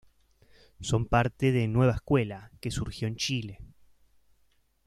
Son parte de Nueva Escuela que surgió en Chile.